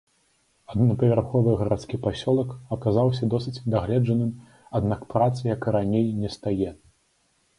Аднапавярховы гарадскі пасёлак аказаўся досыць дагледжаным, аднак працы, як і раней, нестае.